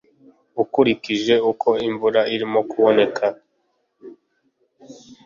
akurikije uko imvura irimo kuboneka